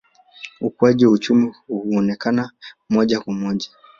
ukuaji wa uchumi haukuonekana moja kwa moja